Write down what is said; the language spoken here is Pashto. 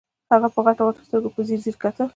هغې په غټو غټو سترګو په ځير ځير کتل.